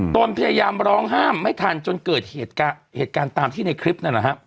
ตนพยายามร้องห้ามไม่ทันจนเกิดเหตุการณ์ตามที่ในคลิปนั่นแหละฮะ